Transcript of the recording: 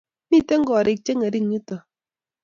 Mito korik che ngering yutok